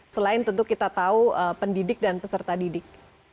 selain tentu kita tahu pendidik dan peserta didik